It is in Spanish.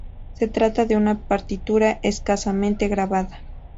Se trata de una partitura escasamente grabada.